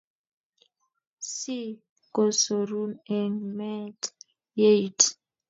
Si kosorun eng' me-et ye it